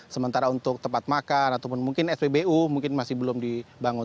sementara untuk tempat makan ataupun mungkin spbu mungkin masih belum dibangun